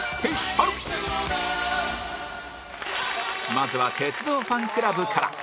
まずは鉄道ファンクラブから